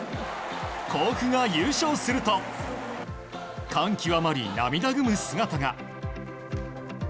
甲府が優勝すると感極まり、涙ぐむ姿が。